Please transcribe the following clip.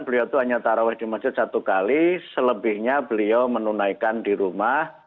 dalam satu bulan beliau hanya taruh di masjid satu kali selebihnya beliau menunaikan di rumah